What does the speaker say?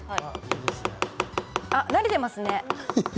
慣れてますね。